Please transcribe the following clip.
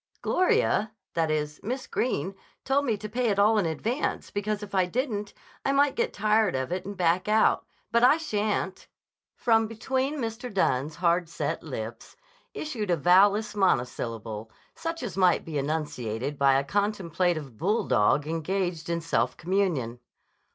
"Gloria—that is Miss Greene told me to pay it all in advance because if I didn't I might get tired of it and back out. But I shan't." From between Mr. Dunne's hard set lips issued a vowel less monosyllable such as might be enunciated by a contemplative bulldog engaged in self communion.